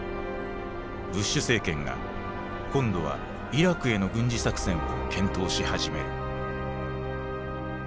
ブッシュ政権が今度はイラクへの軍事作戦を検討し始める。